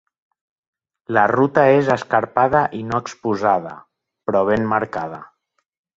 La ruta és escarpada i no exposada, però ben marcada.